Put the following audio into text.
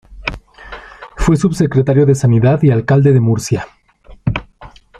Fue subsecretario de Sanidad, y alcalde de Murcia.